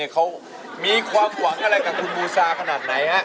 เขามีความหวังอะไรกับคุณบูซาขนาดไหนฮะ